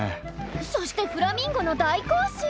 そしてフラミンゴの大行進！